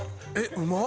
うまっ！